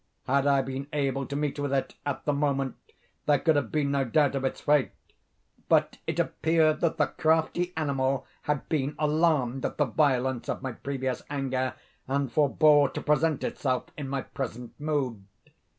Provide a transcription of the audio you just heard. Had I been able to meet with it, at the moment, there could have been no doubt of its fate; but it appeared that the crafty animal had been alarmed at the violence of my previous anger, and forebore to present itself in my present mood.